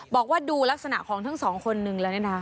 บอกว่าดูลักษณะของทั้ง๒คนนึงแล้วนะ